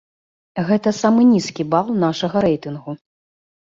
Гэта самы нізкі бал нашага рэйтынгу.